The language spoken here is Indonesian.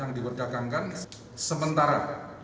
yang diberkakankan sementara